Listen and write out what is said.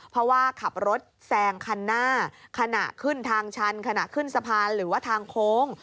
เพราะว่าขับรถแซงคันหน้าขณะขึ้นทางชันขณะขึ้นสะพานหรือว่าทางโค้ง